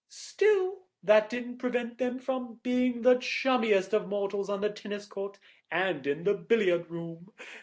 "Still, that didn't prevent them from being the chummiest of mortals on the tennis court and in the billiard room.